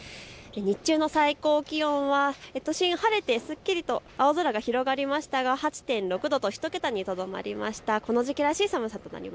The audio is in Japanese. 日中の最高気温は都心、晴れてすっきりと青空が広がりましたが８．６度と１桁にとどまりました。